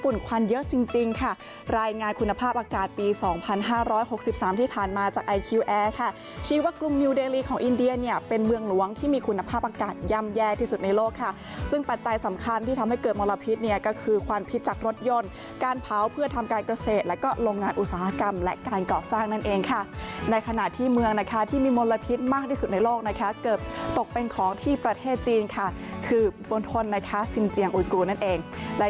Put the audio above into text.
แยกที่สุดในโลกค่ะซึ่งปัจจัยสำคัญที่ทำให้เกิดมลพิษเนี่ยก็คือความพิษจากรถยนต์การเผาเพื่อทำการเกษตรแล้วก็โรงงานอุตสาหกรรมและการเกาะสร้างนั่นเองค่ะในขณะที่เมืองนะคะที่มีมลพิษมากที่สุดในโลกนะคะเกือบตกเป็นของที่ประเทศจีนค่ะคือบนทนนะคะสินเจียงอุยกูนั่นเองแล